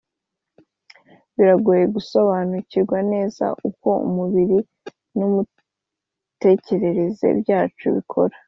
biragoye gusobanukirwa neza uko umubiri n'imitekerereze byacu bikora.